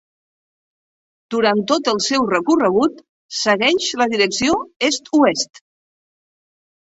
Durant tot el seu recorregut segueix la direcció est-oest.